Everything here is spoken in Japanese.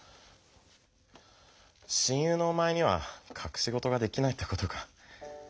親友のおまえにはかくしごとができないってことか。